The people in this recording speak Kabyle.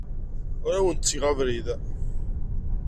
Ur awent-ttgeɣ abrid.